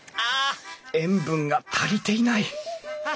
塩分が足りていない。